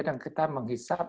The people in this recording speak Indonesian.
dan kita menghisapkan